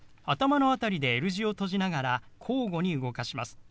頭の辺りでＬ字を閉じながら交互に動かします。